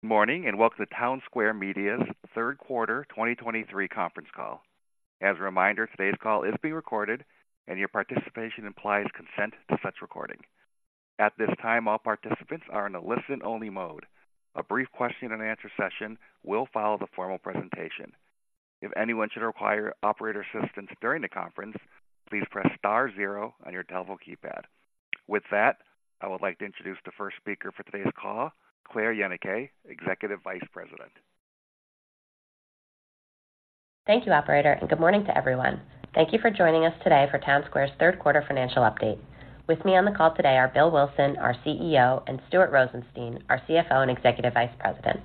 Good morning, and welcome to Townsquare Media's third quarter 2023 conference call. As a reminder, today's call is being recorded, and your participation implies consent to such recording. At this time, all participants are in a listen-only mode. A brief question-and-answer session will follow the formal presentation. If anyone should require operator assistance during the conference, please press star zero on your telephone keypad. With that, I would like to introduce the first speaker for today's call, Claire Yenicay, Executive Vice President. Thank you, Operator, and good morning to everyone. Thank you for joining us today for Townsquare's third quarter financial update. With me on the call today are Bill Wilson, our CEO, and Stuart Rosenstein, our CFO and Executive Vice President.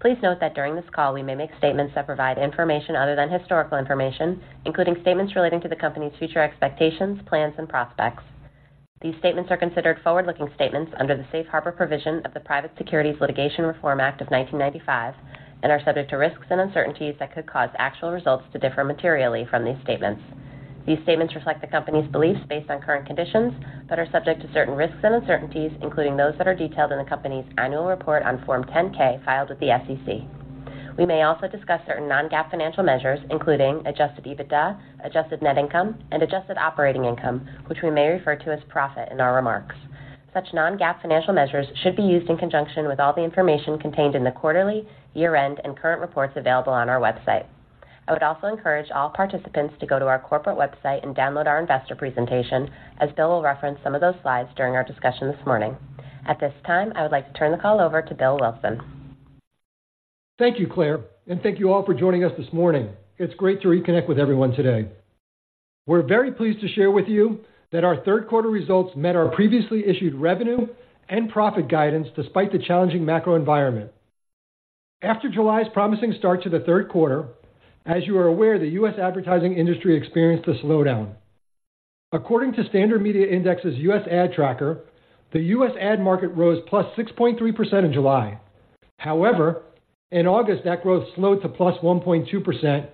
Please note that during this call, we may make statements that provide information other than historical information, including statements relating to the company's future expectations, plans, and prospects. These statements are considered forward-looking statements under the Safe Harbor provision of the Private Securities Litigation Reform Act of 1995 and are subject to risks and uncertainties that could cause actual results to differ materially from these statements. These statements reflect the company's beliefs based on current conditions, but are subject to certain risks and uncertainties, including those that are detailed in the company's annual report on Form 10-K, filed with the SEC. We may also discuss certain non-GAAP financial measures, including Adjusted EBITDA, Adjusted Net Income, and Adjusted Operating Income, which we may refer to as profit in our remarks. Such non-GAAP financial measures should be used in conjunction with all the information contained in the quarterly, year-end, and current reports available on our website. I would also encourage all participants to go to our corporate website and download our investor presentation, as Bill will reference some of those slides during our discussion this morning. At this time, I would like to turn the call over to Bill Wilson. Thank you, Claire, and thank you all for joining us this morning. It's great to reconnect with everyone today. We're very pleased to share with you that our third quarter results met our previously issued revenue and profit guidance, despite the challenging macro environment. After July's promising start to the third quarter, as you are aware, the U.S. advertising industry experienced a slowdown. According to Standard Media Index's U.S. Ad Tracker, the U.S. ad market rose +6.3% in July. However, in August, that growth slowed to +1.2%,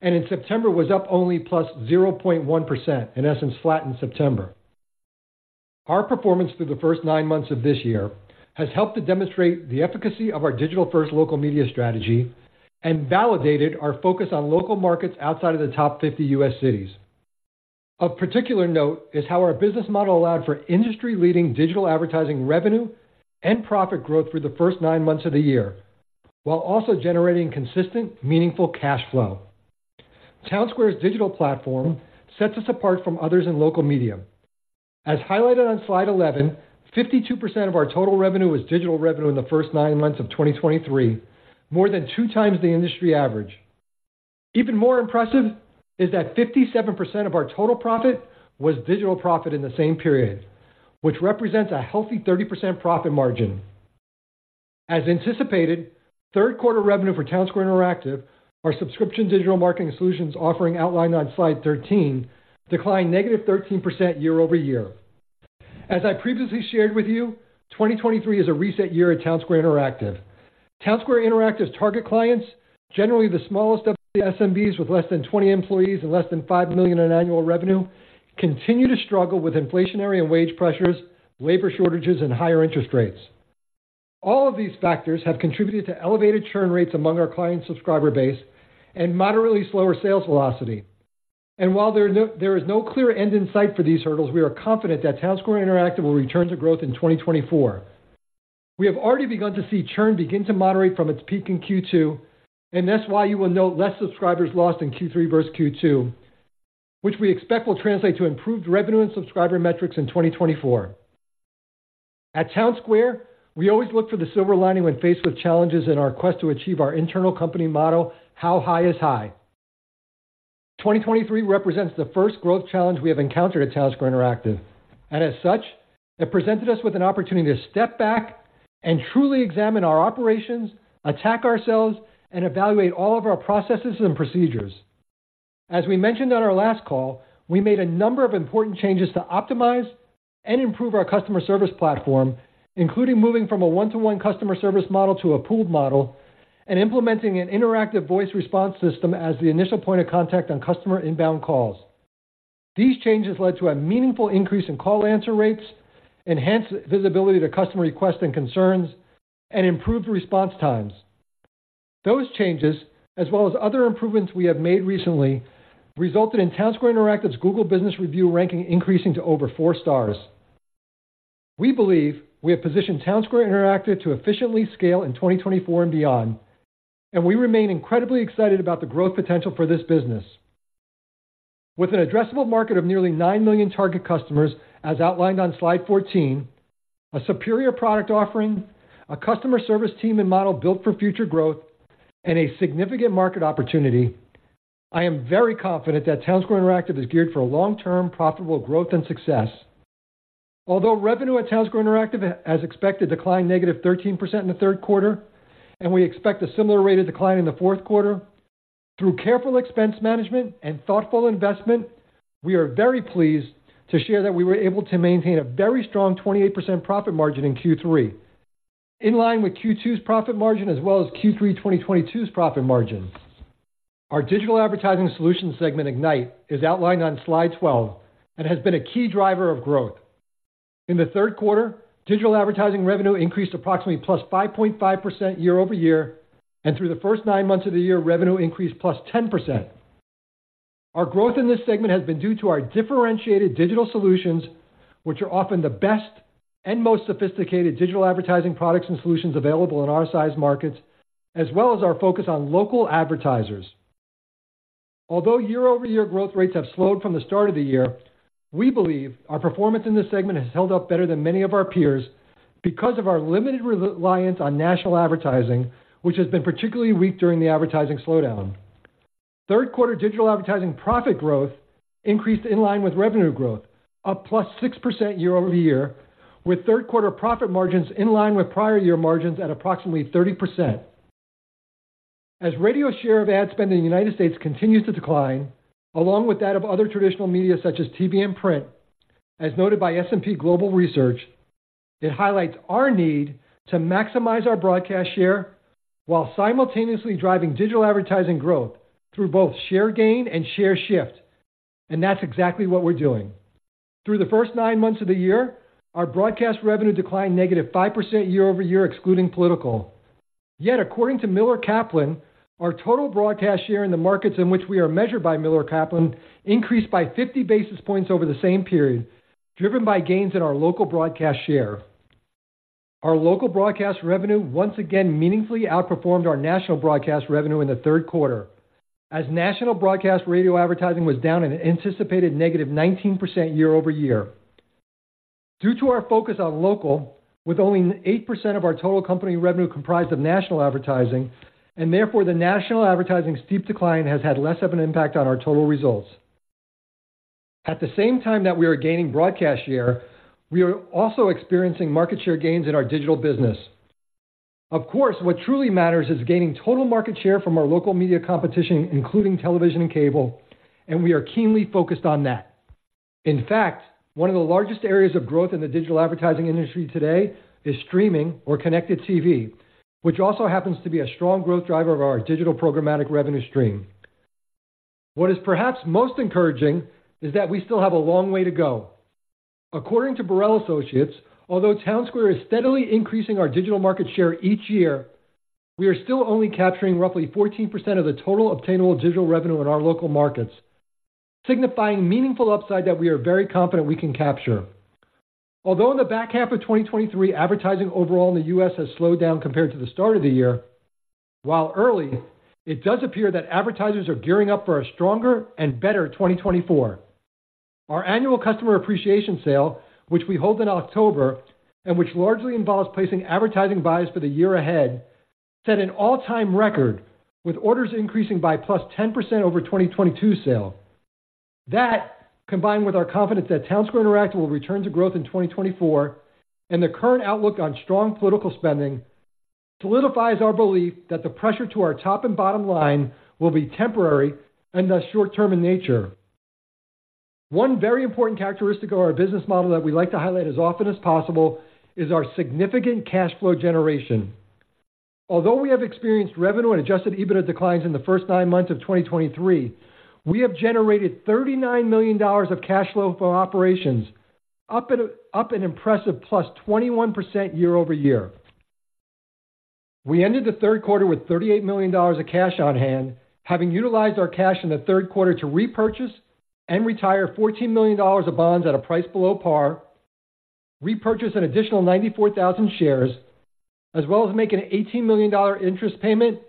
and in September was up only +0.1%, in essence, flat in September. Our performance through the first nine months of this year has helped to demonstrate the efficacy of our digital-first local media strategy and validated our focus on local markets outside of the top 50 U.S. cities. Of particular note is how our business model allowed for industry-leading digital advertising revenue and profit growth through the first nine months of the year, while also generating consistent, meaningful cash flow. Townsquare's digital platform sets us apart from others in local media. As highlighted on slide 11, 52% of our total revenue was digital revenue in the first nine months of 2023, more than 2x the industry average. Even more impressive is that 57% of our total profit was digital profit in the same period, which represents a healthy 30% profit margin. As anticipated, third quarter revenue for Townsquare Interactive, our subscription digital marketing solutions offering outlined on slide 13, declined negative 13% year-over-year. As I previously shared with you, 2023 is a reset year at Townsquare Interactive. Townsquare Interactive's target clients, generally the smallest of the SMBs, with less than 20 employees and less than $5 million in annual revenue, continue to struggle with inflationary and wage pressures, labor shortages, and higher interest rates. All of these factors have contributed to elevated churn rates among our client subscriber base and moderately slower sales velocity. While there is no clear end in sight for these hurdles, we are confident that Townsquare Interactive will return to growth in 2024. We have already begun to see churn begin to moderate from its peak in Q2, and that's why you will note less subscribers lost in Q3 versus Q2, which we expect will translate to improved revenue and subscriber metrics in 2024. At Townsquare, we always look for the silver lining when faced with challenges in our quest to achieve our internal company motto, "How high is high?" 2023 represents the first growth challenge we have encountered at Townsquare Interactive, and as such, it presented us with an opportunity to step back and truly examine our operations, attack ourselves, and evaluate all of our processes and procedures. As we mentioned on our last call, we made a number of important changes to optimize and improve our customer service platform, including moving from a one-to-one customer service model to a pooled model and implementing an interactive voice response system as the initial point of contact on customer inbound calls. These changes led to a meaningful increase in call answer rates, enhanced visibility to customer requests and concerns, and improved response times. Those changes, as well as other improvements we have made recently, resulted in Townsquare Interactive's Google Business Review ranking increasing to over four stars. We believe we have positioned Townsquare Interactive to efficiently scale in 2024 and beyond, and we remain incredibly excited about the growth potential for this business. With an addressable market of nearly 9 million target customers, as outlined on slide 14, a superior product offering, a customer service team and model built for future growth, and a significant market opportunity, I am very confident that Townsquare Interactive is geared for long-term profitable growth and success. Although revenue at Townsquare Interactive, as expected, declined -13% in the third quarter, and we expect a similar rate of decline in the fourth quarter, through careful expense management and thoughtful investment, we are very pleased to share that we were able to maintain a very strong 28% profit margin in Q3, in line with Q2's profit margin, as well as Q3 2022's profit margin. Our digital advertising solutions segment, Ignite, is outlined on slide 12, and has been a key driver of growth. In the third quarter, digital advertising revenue increased approximately +5.5% year-over-year, and through the first nine months of the year, revenue increased +10%. Our growth in this segment has been due to our differentiated digital solutions, which are often the best and most sophisticated digital advertising products and solutions available in our size markets, as well as our focus on local advertisers. Although year-over-year growth rates have slowed from the start of the year, we believe our performance in this segment has held up better than many of our peers because of our limited reliance on national advertising, which has been particularly weak during the advertising slowdown. Third quarter digital advertising profit growth increased in line with revenue growth, up +6% year-over-year, with third quarter profit margins in line with prior year margins at approximately 30%. As radio share of ad spend in the United States continues to decline, along with that of other traditional media such as TV and print, as noted by S&P Global Research, it highlights our need to maximize our broadcast share while simultaneously driving digital advertising growth through both share gain and share shift. And that's exactly what we're doing. Through the first nine months of the year, our broadcast revenue declined -5% year-over-year, excluding political. Yet, according to Miller Kaplan, our total broadcast share in the markets in which we are measured by Miller Kaplan increased by 50 basis points over the same period, driven by gains in our local broadcast share. Our local broadcast revenue once again meaningfully outperformed our national broadcast revenue in the third quarter, as national broadcast radio advertising was down an anticipated -19% year-over-year. Due to our focus on local, with only 8% of our total company revenue comprised of national advertising, and therefore, the national advertising steep decline has had less of an impact on our total results. At the same time that we are gaining broadcast share, we are also experiencing market share gains in our digital business. Of course, what truly matters is gaining total market share from our local media competition, including television and cable, and we are keenly focused on that. In fact, one of the largest areas of growth in the digital advertising industry today is streaming or Connected TV, which also happens to be a strong growth driver of our digital programmatic revenue stream. What is perhaps most encouraging is that we still have a long way to go. According to Borrell Associates, although Townsquare is steadily increasing our digital market share each year, we are still only capturing roughly 14% of the total obtainable digital revenue in our local markets, signifying meaningful upside that we are very confident we can capture. Although in the back half of 2023, advertising overall in the U.S. has slowed down compared to the start of the year, while early, it does appear that advertisers are gearing up for a stronger and better 2024. Our annual customer appreciation sale, which we hold in October and which largely involves placing advertising buys for the year ahead, set an all-time record, with orders increasing by +10% over 2022 sale. That, combined with our confidence that Townsquare Interactive will return to growth in 2024 and the current outlook on strong political spending, solidifies our belief that the pressure to our top and bottom line will be temporary and thus short-term in nature. One very important characteristic of our business model that we like to highlight as often as possible is our significant cash flow generation. Although we have experienced revenue and Adjusted EBITDA declines in the first nine months of 2023, we have generated $39 million of cash flow from operations, up an impressive +21% year-over-year. We ended the third quarter with $38 million of cash on hand, having utilized our cash in the third quarter to repurchase and retire $14 million of bonds at a price below par, repurchase an additional 94,000 shares, as well as make an $18 million interest payment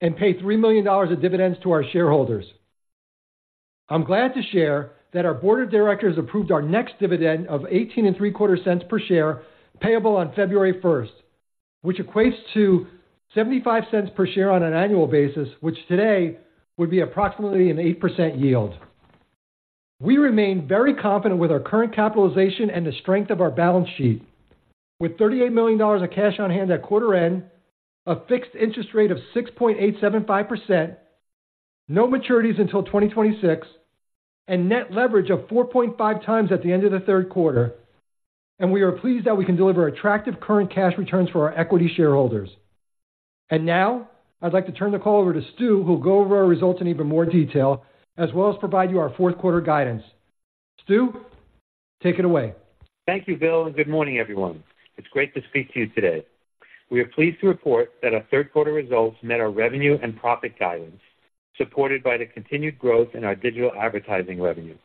and pay $3 million of dividends to our shareholders. I'm glad to share that our board of directors approved our next dividend of 18.75 cents per share, payable on February first, which equates to 75 cents per share on an annual basis, which today would be approximately an 8% yield. We remain very confident with our current capitalization and the strength of our balance sheet, with $38 million of cash on hand at quarter end, a fixed interest rate of 6.875%, no maturities until 2026, and net leverage of 4.5x at the end of the third quarter. We are pleased that we can deliver attractive current cash returns for our equity shareholders. Now I'd like to turn the call over to Stu, who'll go over our results in even more detail, as well as provide you our fourth quarter guidance. Stu, take it away. Thank you, Bill, and good morning, everyone. It's great to speak to you today. We are pleased to report that our third quarter results met our revenue and profit guidance, supported by the continued growth in our digital advertising revenue.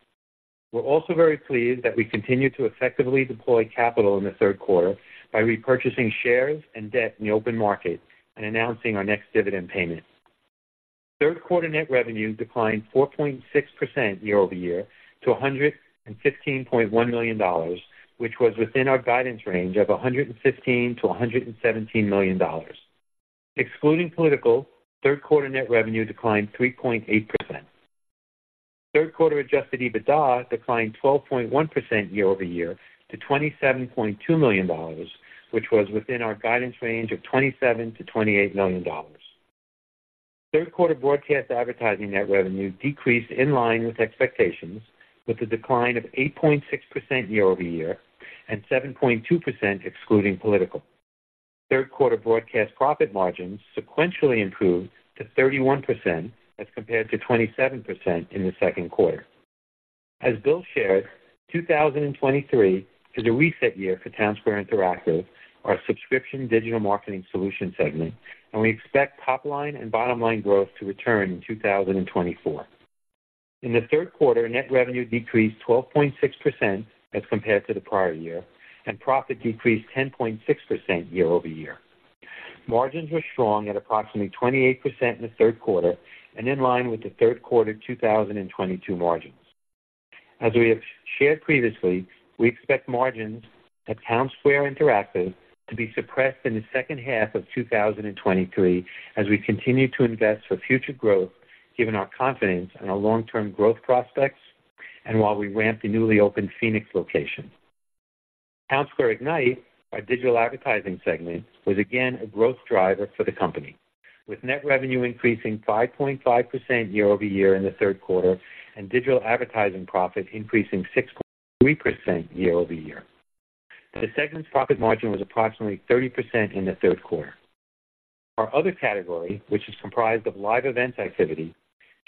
We're also very pleased that we continued to effectively deploy capital in the third quarter by repurchasing shares and debt in the open market and announcing our next dividend payment. Third quarter net revenue declined 4.6% year-over-year to $115.1 million, which was within our guidance range of $115-$117 million. Excluding political, third quarter net revenue declined 3.8%. Third quarter Adjusted EBITDA declined 12.1% year-over-year to $27.2 million, which was within our guidance range of $27-$28 million. Third quarter broadcast advertising net revenue decreased in line with expectations, with a decline of 8.6% year-over-year and 7.2% excluding political.... Third quarter broadcast profit margins sequentially improved to 31% as compared to 27% in the second quarter. As Bill shared, 2023 is a reset year for Townsquare Interactive, our subscription digital marketing solution segment, and we expect top line and bottom line growth to return in 2024. In the third quarter, net revenue decreased 12.6% as compared to the prior year, and profit decreased 10.6% year-over-year. Margins were strong at approximately 28% in the third quarter and in line with the third quarter 2022 margins. As we have shared previously, we expect margins at Townsquare Interactive to be suppressed in the second half of 2023 as we continue to invest for future growth, given our confidence in our long-term growth prospects and while we ramp the newly opened Phoenix location. Townsquare Ignite, our digital advertising segment, was again a growth driver for the company, with net revenue increasing 5.5% year-over-year in the third quarter, and digital advertising profit increasing 6.3% year-over-year. The segment's profit margin was approximately 30% in the third quarter. Our other category, which is comprised of live events activity,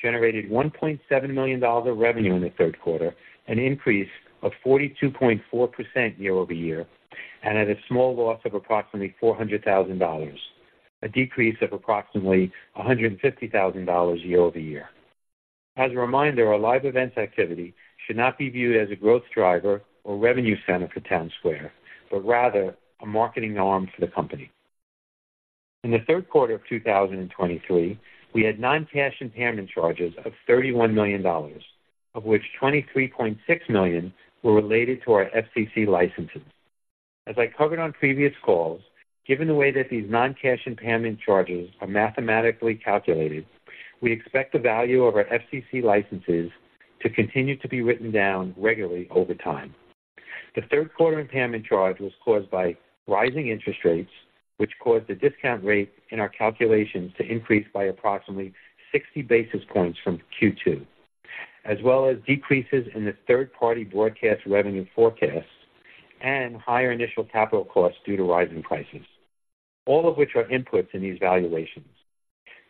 generated $1.7 million of revenue in the third quarter, an increase of 42.4% year-over-year, and at a small loss of approximately $400,000, a decrease of approximately $150,000 year-over-year. As a reminder, our live events activity should not be viewed as a growth driver or revenue center for Townsquare, but rather a marketing arm for the company. In the third quarter of 2023, we had non-cash impairment charges of $31 million, of which $23.6 million were related to our FCC licenses. As I covered on previous calls, given the way that these non-cash impairment charges are mathematically calculated, we expect the value of our FCC licenses to continue to be written down regularly over time. The third quarter impairment charge was caused by rising interest rates, which caused the discount rate in our calculations to increase by approximately 60 basis points from Q2, as well as decreases in the third-party broadcast revenue forecasts and higher initial capital costs due to rising prices, all of which are inputs in these valuations.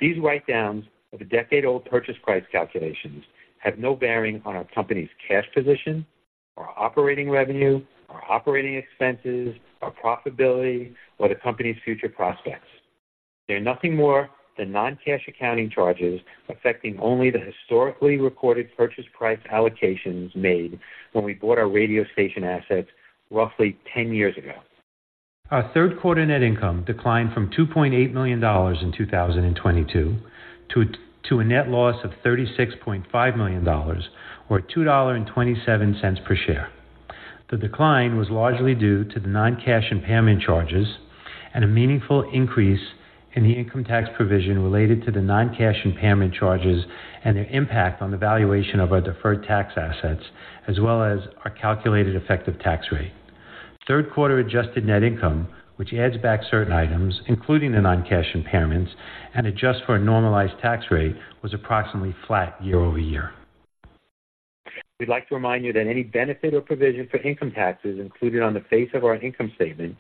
These write-downs of a decade-old purchase price calculations have no bearing on our company's cash position, our operating revenue, our operating expenses, our profitability, or the company's future prospects. They're nothing more than non-cash accounting charges affecting only the historically recorded purchase price allocations made when we bought our radio station assets roughly 10 years ago. Our third quarter net income declined from $2.8 million in 2022 to a net loss of $36.5 million, or $2.27 per share. The decline was largely due to the non-cash impairment charges and a meaningful increase in the income tax provision related to the non-cash impairment charges and their impact on the valuation of our deferred tax assets, as well as our calculated effective tax rate. Third quarter adjusted net income, which adds back certain items, including the non-cash impairments and adjusts for a normalized tax rate, was approximately flat year-over-year. We'd like to remind you that any benefit or provision for income taxes included on the face of our income statement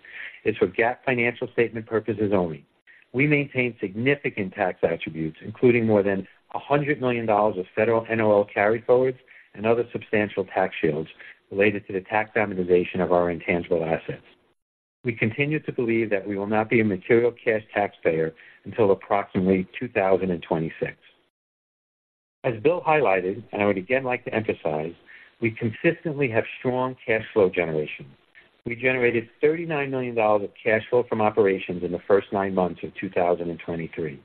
is for GAAP financial statement purposes only. We maintain significant tax attributes, including more than $100 million of federal NOL carryforwards and other substantial tax shields related to the tax amortization of our intangible assets. We continue to believe that we will not be a material cash taxpayer until approximately 2026. As Bill highlighted, and I would again like to emphasize, we consistently have strong cash flow generation. We generated $39 million of cash flow from operations in the first nine months of 2023.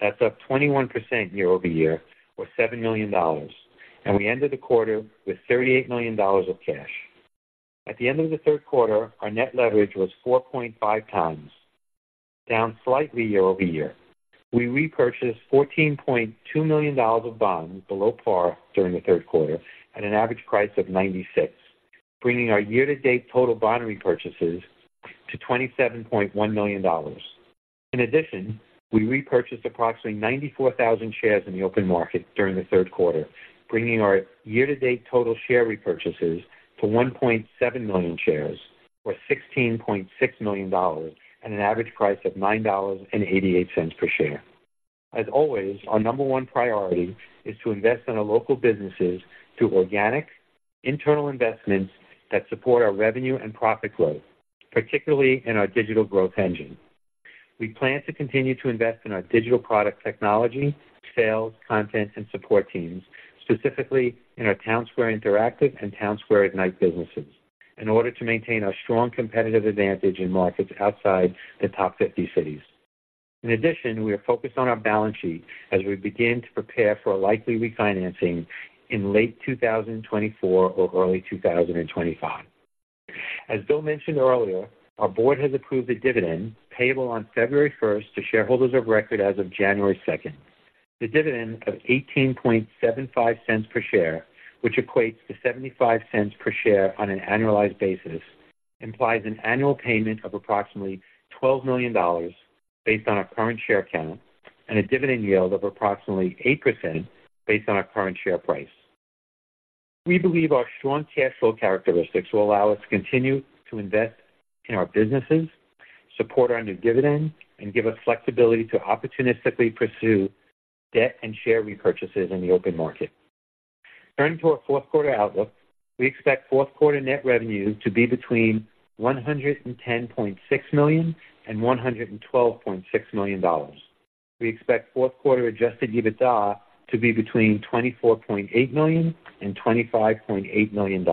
That's up 21% year-over-year, or $7 million, and we ended the quarter with $38 million of cash. At the end of the third quarter, our net leverage was 4.5x, down slightly year-over-year. We repurchased $14.2 million of bonds below par during the third quarter at an average price of 96, bringing our year-to-date total bond repurchases to $27.1 million. In addition, we repurchased approximately 94,000 shares in the open market during the third quarter, bringing our year-to-date total share repurchases to 1.7 million shares, or $16.6 million, at an average price of $9.88 per share. As always, our number one priority is to invest in our local businesses through organic internal investments that support our revenue and profit growth, particularly in our digital growth engine. We plan to continue to invest in our digital product technology, sales, content, and support teams, specifically in our Townsquare Interactive and Townsquare Ignite businesses, in order to maintain our strong competitive advantage in markets outside the top 50 cities. In addition, we are focused on our balance sheet as we begin to prepare for a likely refinancing in late 2024 or early 2025. As Bill mentioned earlier, our board has approved a dividend payable on February 1 to shareholders of record as of January 2. The dividend of $0.1875 per share, which equates to $0.75 per share on an annualized basis, implies an annual payment of approximately $12 million based on our current share count and a dividend yield of approximately 8% based on our current share price. We believe our strong cash flow characteristics will allow us to continue to invest in our businesses, support our new dividend, and give us flexibility to opportunistically pursue debt and share repurchases in the open market. Turning to our fourth quarter outlook, we expect fourth quarter net revenue to be between $110.6 million and $112.6 million. We expect fourth quarter Adjusted EBITDA to be between $24.8 million and $25.8 million.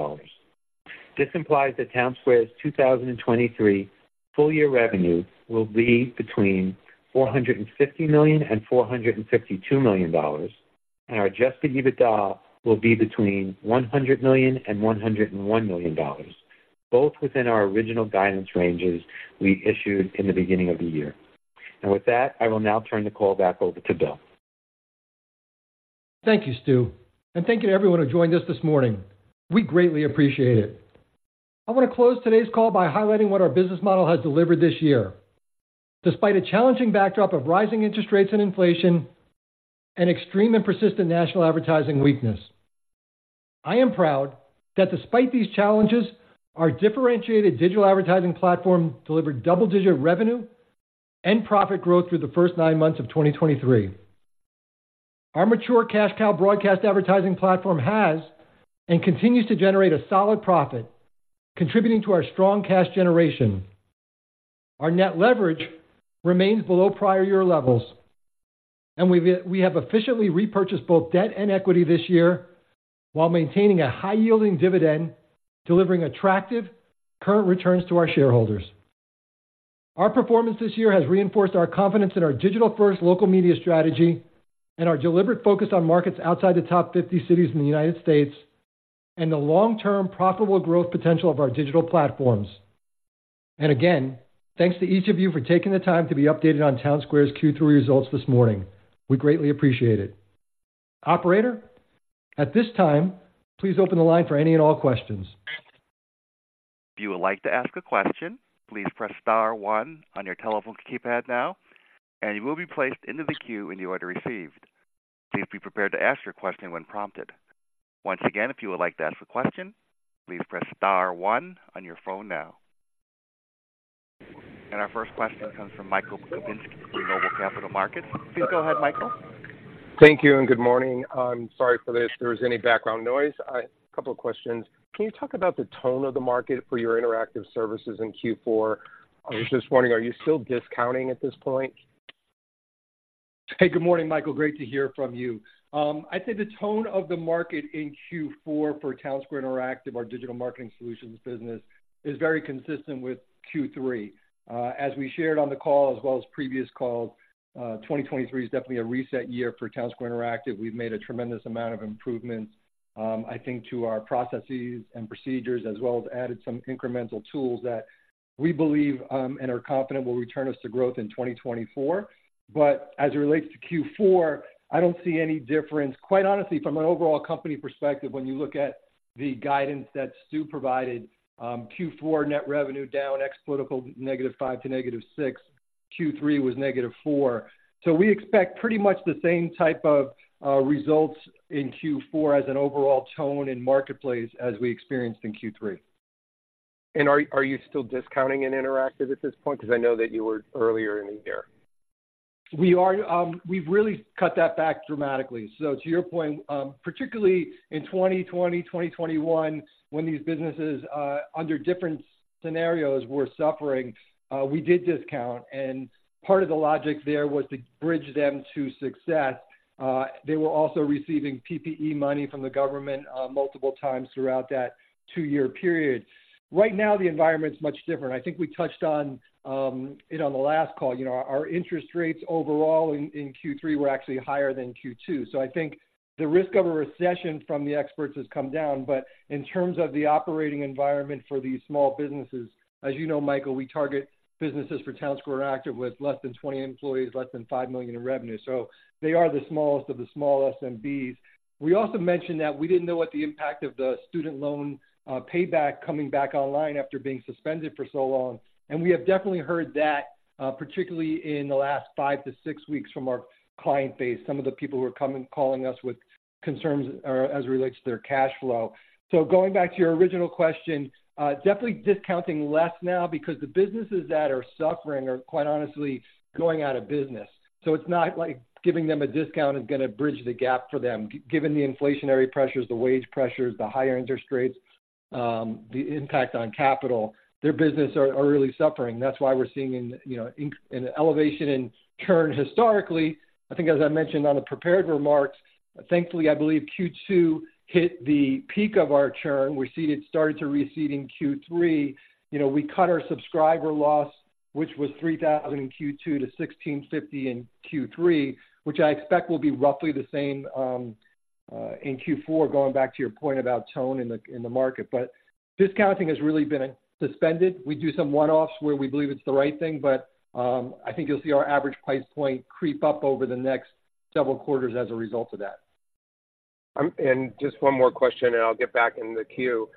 This implies that Townsquare's 2023 full year revenue will be between $450 million and $452 million, and our Adjusted EBITDA will be between $100 million and $101 million, both within our original guidance ranges we issued in the beginning of the year. With that, I will now turn the call back over to Bill. Thank you, Stu, and thank you to everyone who joined us this morning. We greatly appreciate it. I want to close today's call by highlighting what our business model has delivered this year. Despite a challenging backdrop of rising interest rates and inflation and extreme and persistent national advertising weakness, I am proud that despite these challenges, our differentiated digital advertising platform delivered double-digit revenue and profit growth through the first nine months of 2023. Our mature cash cow broadcast advertising platform has and continues to generate a solid profit, contributing to our strong cash generation. Our net leverage remains below prior year levels, and we have efficiently repurchased both debt and equity this year while maintaining a high-yielding dividend, delivering attractive current returns to our shareholders. Our performance this year has reinforced our confidence in our digital-first local media strategy and our deliberate focus on markets outside the top 50 cities in the United States and the long-term profitable growth potential of our digital platforms. Again, thanks to each of you for taking the time to be updated on Townsquare's Q3 results this morning. We greatly appreciate it. Operator, at this time, please open the line for any and all questions. If you would like to ask a question, please press star one on your telephone keypad now, and you will be placed into the queue in the order received. Please be prepared to ask your question when prompted. Once again, if you would like to ask a question, please press star one on your phone now. And our first question comes from Michael Kupinski from Noble Capital Markets. Please go ahead, Michael. Thank you, and good morning. I'm sorry for this, if there was any background noise. A couple of questions. Can you talk about the tone of the market for your interactive services in Q4? Just wondering, are you still discounting at this point? Hey, good morning, Michael. Great to hear from you. I'd say the tone of the market in Q4 for Townsquare Interactive, our digital marketing solutions business, is very consistent with Q3. As we shared on the call as well as previous calls, 2023 is definitely a reset year for Townsquare Interactive. We've made a tremendous amount of improvements, I think, to our processes and procedures, as well as added some incremental tools that we believe and are confident will return us to growth in 2024. But as it relates to Q4, I don't see any difference. Quite honestly, from an overall company perspective, when you look at the guidance that Stu provided, Q4 net revenue down ex political -5%-6%. Q3 was -4%. We expect pretty much the same type of results in Q4 as an overall tone in marketplace as we experienced in Q3. Are you still discounting in Interactive at this point? Because I know that you were earlier in the year. We are. We've really cut that back dramatically. So to your point, particularly in 2020, 2021, when these businesses, under different scenarios, were suffering, we did discount, and part of the logic there was to bridge them to success. They were also receiving PPP money from the government, multiple times throughout that two-year period. Right now, the environment is much different. I think we touched on it on the last call. You know, our interest rates overall in Q3 were actually higher than Q2. So I think the risk of a recession from the experts has come down. But in terms of the operating environment for these small businesses, as you know, Michael, we target businesses for Townsquare Interactive with less than 20 employees, less than $5 million in revenue. So they are the smallest of the small SMBs. We also mentioned that we didn't know what the impact of the student loan payback coming back online after being suspended for so long, and we have definitely heard that, particularly in the last five to six weeks from our client base, some of the people who are coming, calling us with concerns, as it relates to their cash flow. So going back to your original question, definitely discounting less now because the businesses that are suffering are, quite honestly, going out of business. So it's not like giving them a discount is gonna bridge the gap for them. Given the inflationary pressures, the wage pressures, the higher interest rates, the impact on capital, their business are really suffering. That's why we're seeing an, you know, an elevation in churn historically. I think, as I mentioned on the prepared remarks, thankfully, I believe Q2 hit the peak of our churn. We see it started to recede in Q3. You know, we cut our subscriber loss, which was 3,000 in Q2 to 1,650 in Q3, which I expect will be roughly the same in Q4, going back to your point about tone in the market. But discounting has really been suspended. We do some one-offs where we believe it's the right thing, but I think you'll see our average price point creep up over the next several quarters as a result of that. And just one more question, and I'll get back in the queue.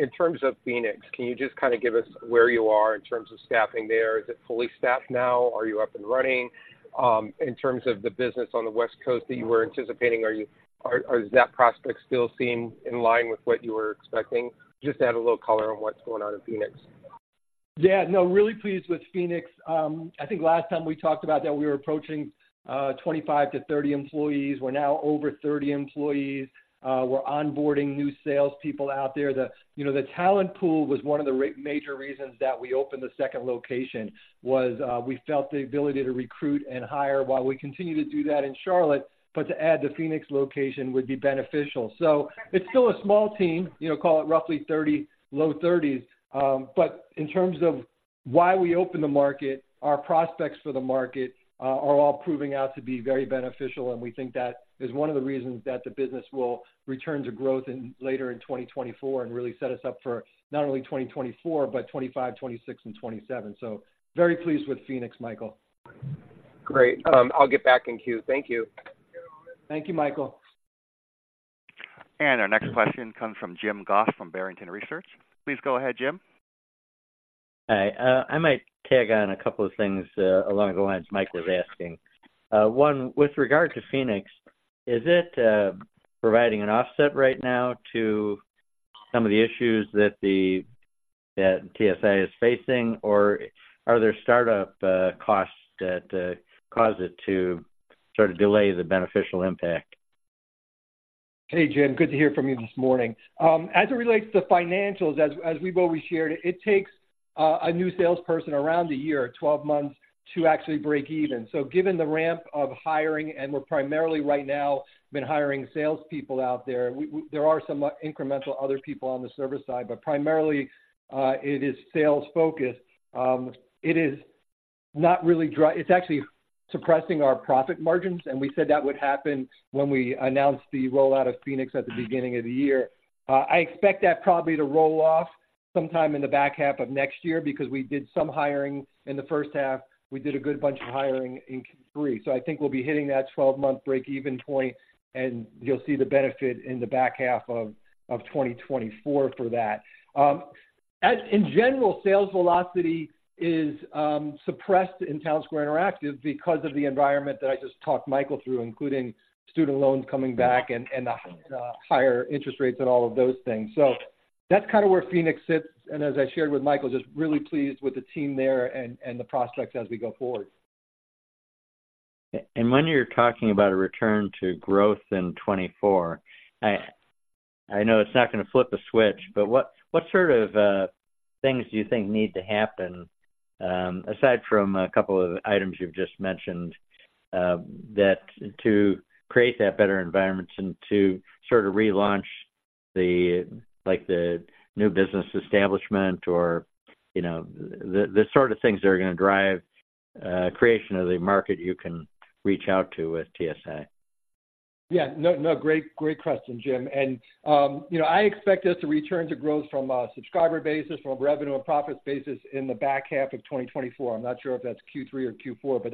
In terms of Phoenix, can you just kind of give us where you are in terms of staffing there? Is it fully staffed now? Are you up and running? In terms of the business on the West Coast that you were anticipating, is that prospect still seem in line with what you were expecting? Just add a little color on what's going on in Phoenix. Yeah, no, really pleased with Phoenix. I think last time we talked about that, we were approaching 25-30 employees. We're now over 30 employees. We're onboarding new salespeople out there. The, you know, the talent pool was one of the major reasons that we opened the second location, was we felt the ability to recruit and hire while we continue to do that in Charlotte, but to add the Phoenix location would be beneficial. So it's still a small team, you know, call it roughly 30, low 30s. But in terms of why we opened the market, our prospects for the market are all proving out to be very beneficial, and we think that is one of the reasons that the business will return to growth later in 2024, and really set us up for not only 2024, but 2025, 2026, and 2027. So very pleased with Phoenix, Michael. Great. I'll get back in queue. Thank you. Thank you, Michael. Our next question comes from Jim Goss from Barrington Research. Please go ahead, Jim. Hi, I might tag on a couple of things, along the lines Mike was asking. One, with regard to Phoenix, is it providing an offset right now to some of the issues that the, that TSI is facing? Or are there startup costs that cause it to sort of delay the beneficial impact? Hey, Jim, good to hear from you this morning. As it relates to financials, as we've always shared, it takes a new salesperson around a year, 12 months, to actually break even. So given the ramp of hiring, and we're primarily right now been hiring salespeople out there, there are some incremental other people on the service side, but primarily, it is sales-focused. It is not really. It's actually suppressing our profit margins, and we said that would happen when we announced the rollout of Phoenix at the beginning of the year. I expect that probably to roll off sometime in the back half of next year because we did some hiring in the first half. We did a good bunch of hiring in Q3. So I think we'll be hitting that twelve-month break-even point, and you'll see the benefit in the back half of 2024 for that. As in general, sales velocity is suppressed in Townsquare Interactive because of the environment that I just talked Michael through, including student loans coming back and the higher interest rates and all of those things. So that's kind of where Phoenix sits, and as I shared with Michael, just really pleased with the team there and the prospects as we go forward. When you're talking about a return to growth in 2024, I know it's not gonna flip a switch, but what sort of things do you think need to happen, aside from a couple of items you've just mentioned, that to create that better environment and to sort of relaunch the, like, the new business establishment or, you know, the sort of things that are gonna drive creation of the market you can reach out to with TSI? Yeah. No, no, great, great question, Jim. You know, I expect us to return to growth from a subscriber basis, from a revenue and profits basis in the back half of 2024. I'm not sure if that's Q3 or Q4, but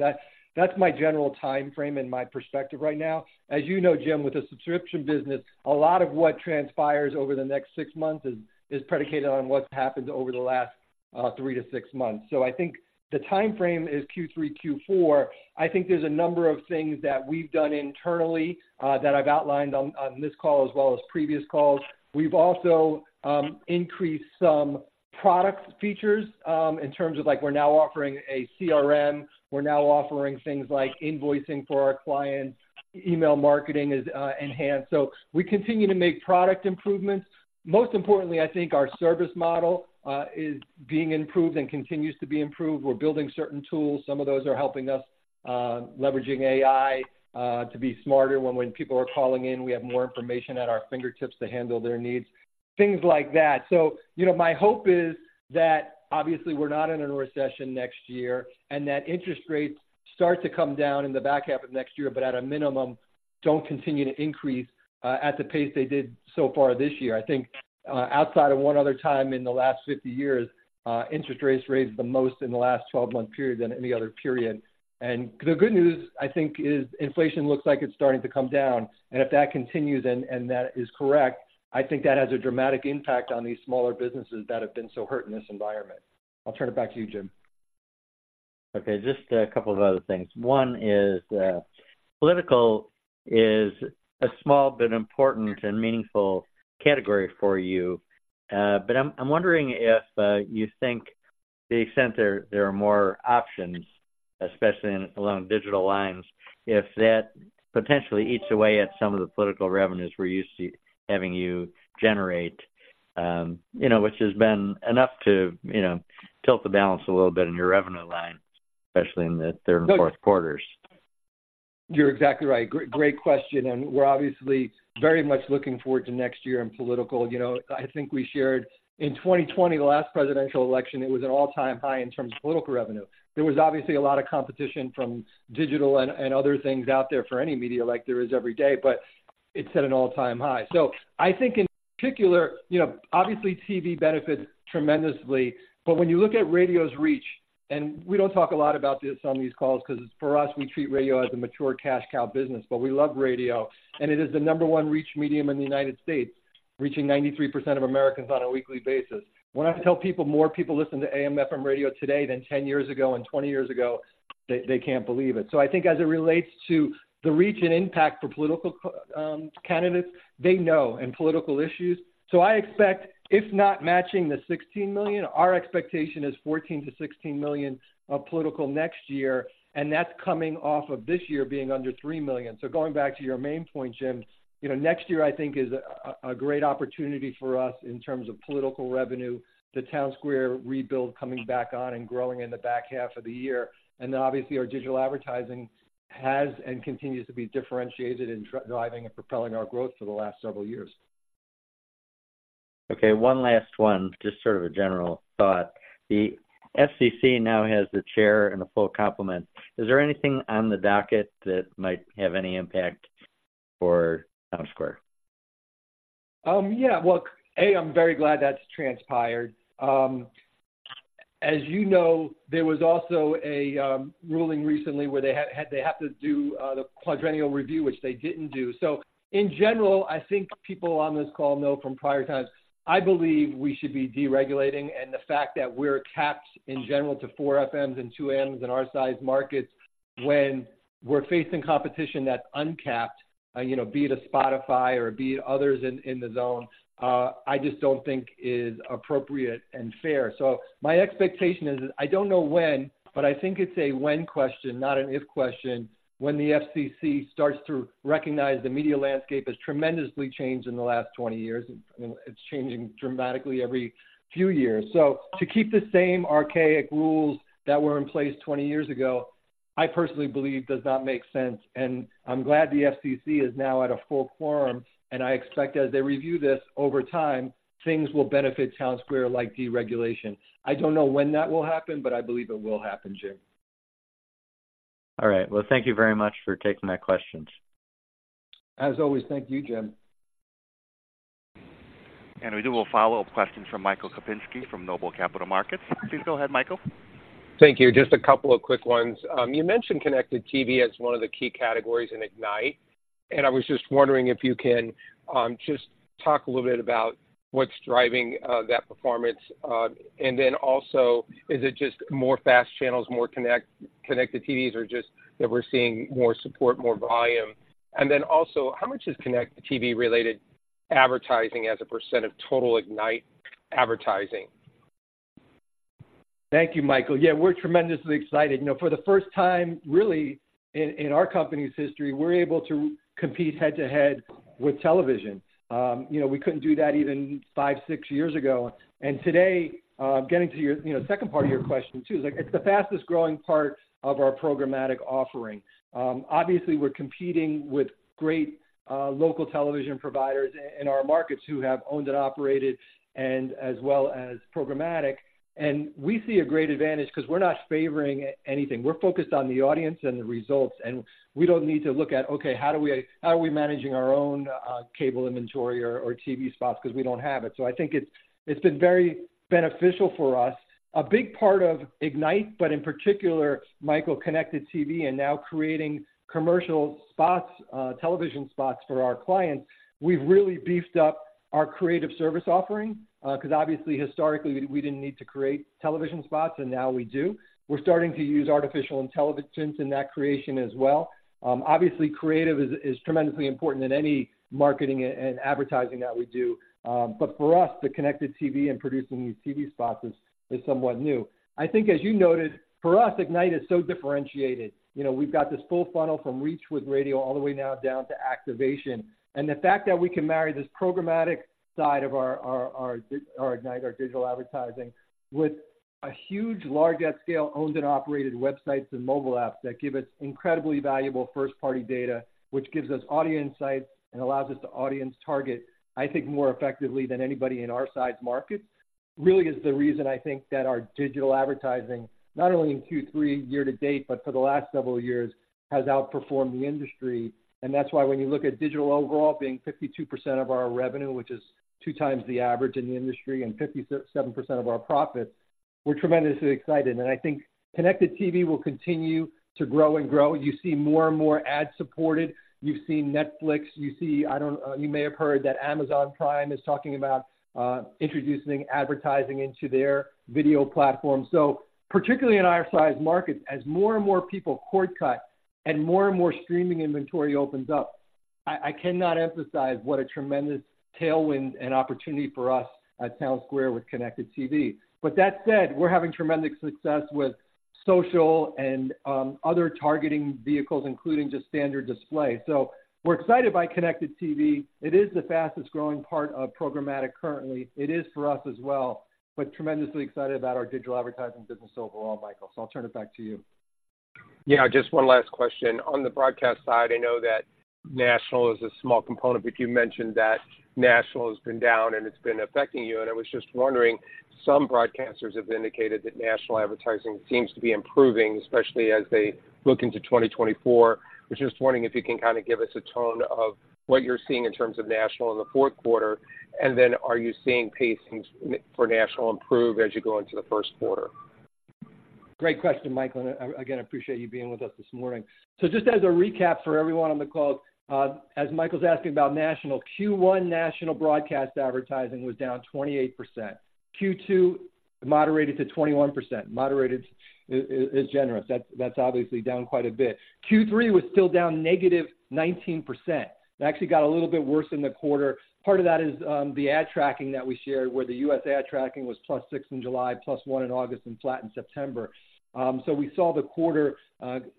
that's my general timeframe and my perspective right now. As you know, Jim, with the subscription business, a lot of what transpires over the next six months is predicated on what's happened over the last three to six months. I think the timeframe is Q3, Q4. I think there's a number of things that we've done internally that I've outlined on this call as well as previous calls. We've also increased some product features in terms of like we're now offering a CRM, we're now offering things like invoicing for our clients. Email marketing is enhanced. So we continue to make product improvements. Most importantly, I think our service model is being improved and continues to be improved. We're building certain tools. Some of those are helping us leveraging AI to be smarter when people are calling in, we have more information at our fingertips to handle their needs, things like that. So, you know, my hope is that obviously, we're not in a recession next year, and that interest rates start to come down in the back half of next year, but at a minimum, don't continue to increase at the pace they did so far this year. I think outside of one other time in the last 50 years interest rates raised the most in the last 12-month period than any other period. The good news, I think, is inflation looks like it's starting to come down, and if that continues and that is correct, I think that has a dramatic impact on these smaller businesses that have been so hurt in this environment. I'll turn it back to you, Jim. Okay, just a couple of other things. One is, political is a small but important and meaningful category for you. But I'm wondering if you think the extent there are more options, especially along digital lines, if that potentially eats away at some of the political revenues we're used to having you generate. You know, which has been enough to, you know, tilt the balance a little bit in your revenue line, especially in the third and fourth quarters. You're exactly right. Great, great question, and we're obviously very much looking forward to next year in political. You know, I think we shared in 2020, the last presidential election, it was an all-time high in terms of political revenue. There was obviously a lot of competition from digital and other things out there for any media like there is every day, but it set an all-time high. So I think in particular, you know, obviously, TV benefits tremendously, but when you look at radio's reach, and we don't talk a lot about this on these calls because for us, we treat radio as a mature cash cow business, but we love radio, and it is the number one reach medium in the United States, reaching 93% of Americans on a weekly basis. When I tell people, more people listen to AM/FM radio today than 10 years ago and 20 years ago, they can't believe it. So I think as it relates to the reach and impact for political candidates, they know, and political issues. So I expect, if not matching the $16 million, our expectation is $14-$16 million of political next year, and that's coming off of this year being under $3 million. So going back to your main point, Jim, you know, next year, I think, is a great opportunity for us in terms of political revenue, the Townsquare rebuild coming back on and growing in the back half of the year. And then, obviously, our digital advertising has and continues to be differentiated in driving and propelling our growth for the last several years. Okay, one last one, just sort of a general thought. The FCC now has the chair and a full complement. Is there anything on the docket that might have any impact for Townsquare? Yeah. Look, A, I'm very glad that's transpired. As you know, there was also a ruling recently where they have to do the Quadrennial Review, which they didn't do. So in general, I think people on this call know from prior times, I believe we should be deregulating, and the fact that we're capped in general to four FMs and two AMs in our size markets when we're facing competition that's uncapped, you know, be it a Spotify or be it others in the zone, I just don't think is appropriate and fair. So my expectation is, I don't know when, but I think it's a when question, not an if question, when the FCC starts to recognize the media landscape has tremendously changed in the last 20 years, and it's changing dramatically every few years. To keep the same archaic rules that were in place 20 years ago, I personally believe, does not make sense. I'm glad the FCC is now at a full quorum, and I expect as they review this over time, things will benefit Townsquare, like deregulation. I don't know when that will happen, but I believe it will happen, Jim. All right. Well, thank you very much for taking my questions. As always, thank you, Jim. We do have a follow-up question from Michael Kupinski from Noble Capital Markets. Please go ahead, Michael. Thank you. Just a couple of quick ones. You mentioned connected TV as one of the key categories in Ignite, and I was just wondering if you can just talk a little bit about what's driving that performance? And then also, is it just more fast channels, more connected TVs, or just that we're seeing more support, more volume? And then also, how much is connected TV-related advertising as a % of total Ignite advertising? Thank you, Michael. Yeah, we're tremendously excited. You know, for the first time, really, in our company's history, we're able to compete head-to-head with television. You know, we couldn't do that even five, six years ago. And today, getting to your, you know, second part of your question, too, is like it's the fastest growing part of our programmatic offering. Obviously, we're competing with great local television providers in our markets who have owned and operated and as well as programmatic. And we see a great advantage because we're not favoring anything. We're focused on the audience and the results, and we don't need to look at, okay, how do we, how are we managing our own cable inventory or TV spots? Because we don't have it. So I think it's been very beneficial for us. A big part of Ignite, but in particular, Michael, Connected TV and now creating commercial spots, television spots for our clients, we've really beefed up our creative service offering, because obviously, historically, we didn't need to create television spots, and now we do. We're starting to use artificial intelligence in that creation as well. Obviously, creative is tremendously important in any marketing and advertising that we do. But for us, the Connected TV and producing these TV spots is somewhat new. I think, as you noted, for us, Ignite is so differentiated. You know, we've got this full funnel from reach with radio all the way now down to activation. The fact that we can marry this programmatic side of our Ignite, our digital advertising, with a huge, large at scale, owned and operated websites and mobile apps that give us incredibly valuable first-party data, which gives us audience insights and allows us to audience target, I think, more effectively than anybody in our size markets, really is the reason I think that our digital advertising, not only in Q3 year to date, but for the last several years, has outperformed the industry. That's why when you look at digital overall being 52% of our revenue, which is two times the average in the industry, and 57% of our profits, we're tremendously excited. I think connected TV will continue to grow and grow. You see more and more ad-supported. You've seen Netflix, you see, I don't, you may have heard that Amazon Prime is talking about, introducing advertising into their video platform. So particularly in our size markets, as more and more people cord cut and more and more streaming inventory opens up, I cannot emphasize what a tremendous tailwind and opportunity for us at Townsquare with connected TV. But that said, we're having tremendous success with social and, other targeting vehicles, including just standard display. So we're excited by connected TV. It is the fastest growing part of programmatic currently. It is for us as well, but tremendously excited about our digital advertising business overall, Michael. So I'll turn it back to you. Yeah, just one last question. On the broadcast side, I know that national is a small component, but you mentioned that national has been down and it's been affecting you. And I was just wondering, some broadcasters have indicated that national advertising seems to be improving, especially as they look into 2024. I was just wondering if you can kind of give us a tone of what you're seeing in terms of national in the fourth quarter, and then are you seeing pacings for national improve as you go into the first quarter? Great question, Michael, and again, I appreciate you being with us this morning. So just as a recap for everyone on the call, as Michael's asking about national, Q1 national broadcast advertising was down 28%. Q2 moderated to 21%. Moderated is generous. That's obviously down quite a bit. Q3 was still down -19%. It actually got a little bit worse in the quarter. Part of that is the ad tracking that we shared, where the U.S. ad tracking was +6 in July, +1 in August, and flat in September. So we saw the quarter,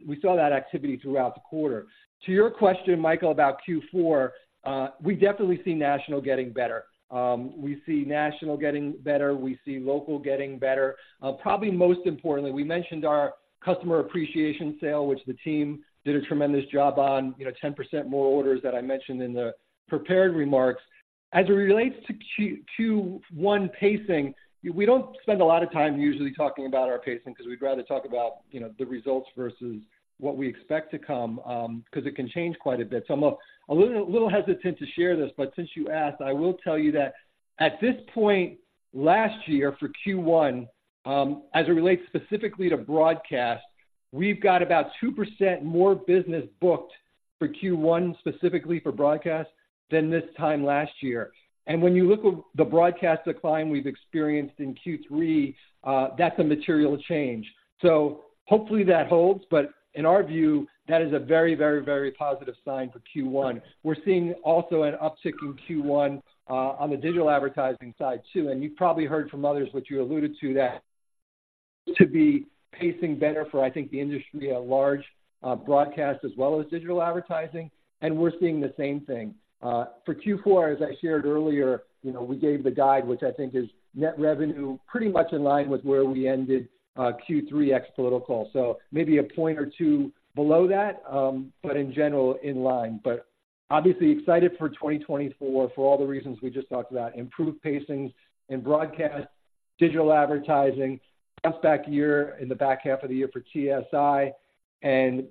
we saw that activity throughout the quarter. To your question, Michael, about Q4, we definitely see national getting better. We see national getting better, we see local getting better. Probably most importantly, we mentioned our customer appreciation sale, which the team did a tremendous job on, you know, 10% more orders that I mentioned in the prepared remarks. As it relates to Q1 pacing, we don't spend a lot of time usually talking about our pacing because we'd rather talk about, you know, the results versus what we expect to come, because it can change quite a bit. So I'm a little hesitant to share this, but since you asked, I will tell you that at this point last year for Q1, as it relates specifically to broadcast, we've got about 2% more business booked for Q1, specifically for broadcast, than this time last year. And when you look at the broadcast decline we've experienced in Q3, that's a material change. So hopefully, that holds, but in our view, that is a very, very, very positive sign for Q1. We're seeing also an uptick in Q1, on the digital advertising side, too, and you've probably heard from others, which you alluded to, that to be pacing better for, I think, the industry at large, broadcast as well as digital advertising, and we're seeing the same thing. For Q4, as I shared earlier, you know, we gave the guide, which I think is net revenue, pretty much in line with where we ended, Q3 ex political. So maybe a point or two below that, but in general, in line. But obviously excited for 2024 for all the reasons we just talked about: improved pacings in broadcast, digital advertising, jump back year in the back half of the year for TSI, and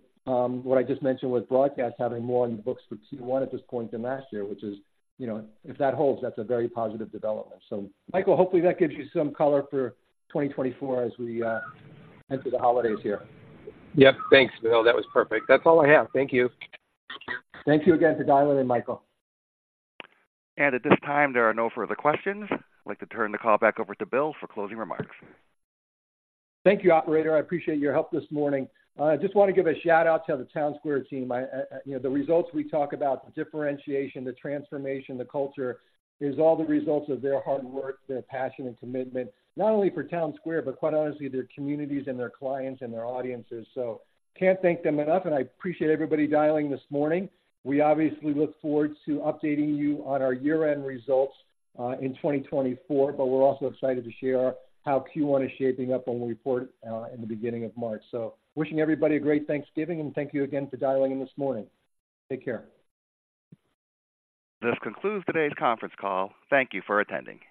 what I just mentioned with broadcast, having more in the books for Q1 at this point than last year, which is, you know, if that holds, that's a very positive development. So Michael, hopefully that gives you some color for 2024 as we enter the holidays here. Yep. Thanks, Bill. That was perfect. That's all I have. Thank you. Thank you again for dialing in, Michael. At this time, there are no further questions. I'd like to turn the call back over to Bill for closing remarks. Thank you, operator. I appreciate your help this morning. I just want to give a shout-out to the Townsquare team. I, you know, the results we talk about, the differentiation, the transformation, the culture, is all the results of their hard work, their passion and commitment, not only for Townsquare, but quite honestly, their communities and their clients and their audiences. So can't thank them enough, and I appreciate everybody dialing this morning. We obviously look forward to updating you on our year-end results, in 2024, but we're also excited to share how Q1 is shaping up when we report, in the beginning of March. So wishing everybody a great Thanksgiving, and thank you again for dialing in this morning. Take care. This concludes today's conference call. Thank you for attending.